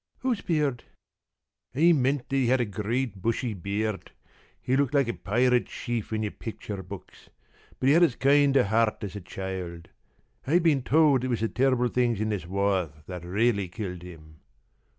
p> "Whose beard?" "I meant that he had a great bushy beard. He looked like the pirate chief in your picture books, but he had as kind a heart as a child. I have been told that it was the terrible things in this war that really killed him.